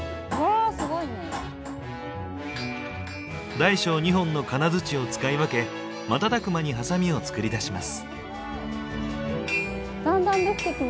大小２本の金づちを使い分け瞬く間にハサミを作り出します。